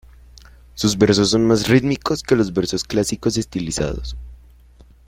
Sus versos son más rítmicos que los versos clásicos estilizados.